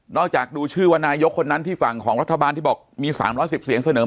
นอกจากดูชื่อวันนายกคนนั้นที่ฝั่งของรัฐบาลที่บอกมีสามร้อยสิบเสียงเสนอมาก